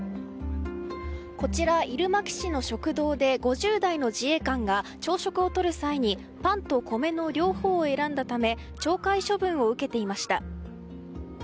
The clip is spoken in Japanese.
こちら、入間基地の食堂で５０代の自衛官が朝食をとる際にパンと米の両方を選んだため懲戒処分を受けていました。